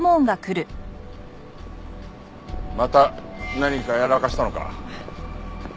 また何かやらかしたのか？